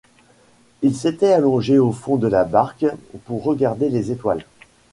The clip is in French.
Elle s’était allongée au fond de la barque pour regarder les étoiles.